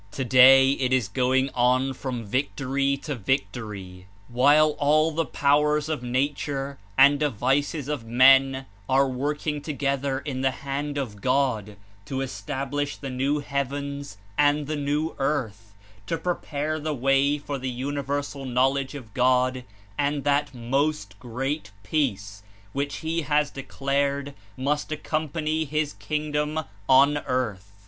Today it is going on from victory to victory, while all the powers of nature and devices of men are working together in the hand of God to establish the new heavens and the new earth, to prepare the way for the universal knowledge of God and that "Most Great Peace" which He has declared must accompany his King dom on earth.